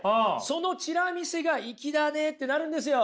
そのチラ見せがいきだねってなるんですよ。